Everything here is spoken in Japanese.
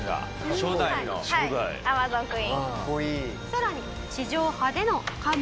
さらに。